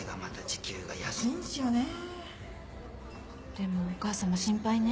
でもお母さま心配ね。